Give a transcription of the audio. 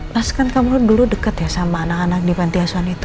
pas kan kamu dulu deket ya sama anak anak di pantiasuhan itu